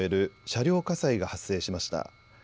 車両火災が発生しました。